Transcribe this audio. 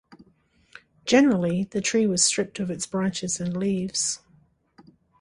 Generally, the tree was stripped of its branches and leaves.